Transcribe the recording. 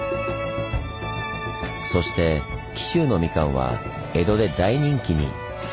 そして紀州のみかんは江戸で大人気に！